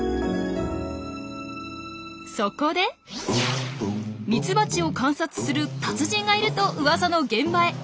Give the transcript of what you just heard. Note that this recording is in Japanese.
そこでミツバチを観察する達人がいるとうわさの現場へ。